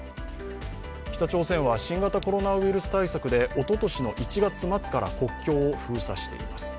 北朝鮮は新型コロナウイルス対策でおととし１月から国境を封鎖しています。